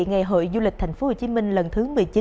ngày hội du lịch tp hcm lần thứ một mươi chín